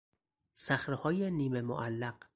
صخرههای نیمه معلق